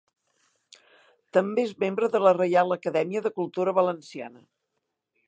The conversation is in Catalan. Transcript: També és membre de la Reial Acadèmia de Cultura Valenciana.